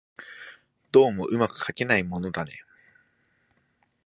どうも巧くかけないものだね